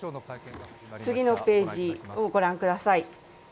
次のページをご覧ください。